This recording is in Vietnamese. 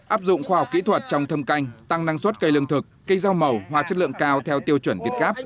áp dụng khoa học kỹ thuật trong thâm canh tăng năng suất cây lương thực cây rau màu hoa chất lượng cao theo tiêu chuẩn việt gáp